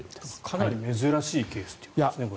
かなり珍しいケースということですね。